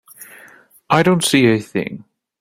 I don't see a thing.